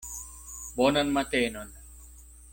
Bonan matenon!